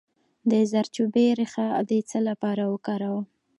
د زردچوبې ریښه د څه لپاره وکاروم؟